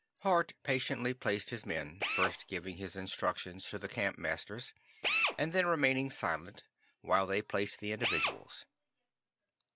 Hart patiently placed his men, first giving his instructions to the campmasters, and then remaining silent, while they placed the individuals.